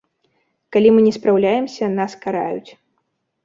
Калі мы не спраўляемся, нас караюць.